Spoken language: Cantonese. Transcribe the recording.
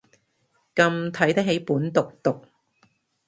咁睇得起本毒毒